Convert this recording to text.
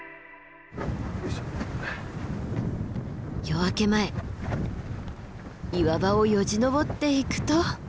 夜明け前岩場をよじ登っていくと。